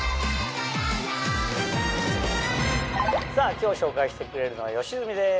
今日紹介してくれるのは吉住です。